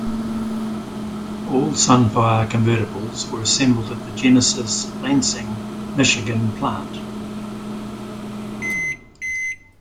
All Sunfire convertibles were assembled at the "Genesis" Lansing, Michigan Plant.